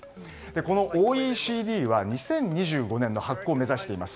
このＯＥＣＤは２０２５年の発効を目指しています。